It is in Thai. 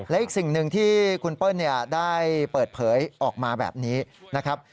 และอีกสิ่งหนึ่งที่คุณเปิ้ลได้เปิดเผยออกมาแบบนี้นะครับ